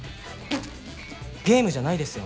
ゲームじゃないですよね？